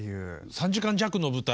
３時間弱の舞台。